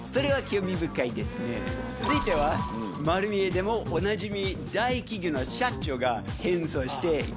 続いては『まる見え！』でもおなじみ。